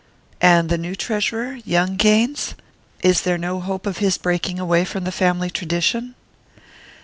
"And the new treasurer young Gaines? Is there no hope of his breaking away from the family tradition?"